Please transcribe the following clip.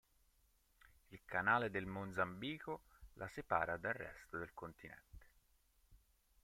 Il Canale del Mozambico la separa dal resto del continente.